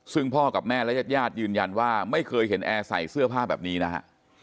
ซึ่งพ่อกับแม่และญาติญาติยืนยันว่าไม่เคยเห็นแอร์ใส่เสื้อผ้าแบบนี้นะฮะ